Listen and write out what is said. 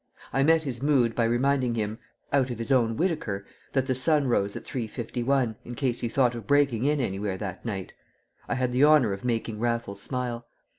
I met his mood by reminding him (out of his own Whitaker) that the sun rose at 3.51, in case he thought of breaking in anywhere that night. I had the honour of making Raffles smile.